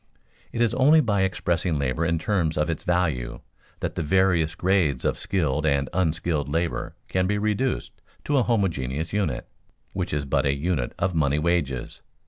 It is only by expressing labor in terms of its value that the various grades of skilled and unskilled labor can be reduced to a homogeneous unit, which is but a unit of money wages.